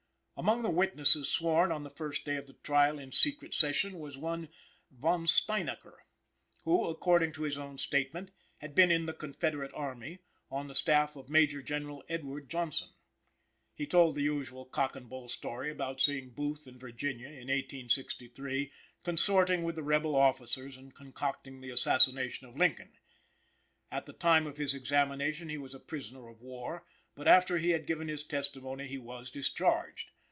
Among the witnesses sworn on the first day of the trial in secret session was one Von Steinacker, who, according to his own statement, had been in the Confederate Army, on the staff of Major General Edward Johnson. He told the usual cock and bull story about seeing Booth in Virginia, in 1863, consorting with the rebel officers and concocting the assassination of Lincoln. At the time of his examination he was a prisoner of war, but after he had given his testimony he was discharged.